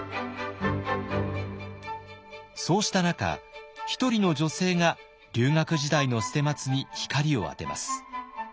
そうした中一人の女性が留学時代の捨松に光を当てます。